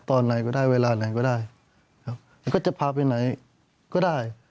ตอนไหนก็ได้เวลาไหนก็ได้ก็จะพาไปไหนก็ได้